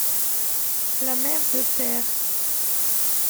La mère de Pêr.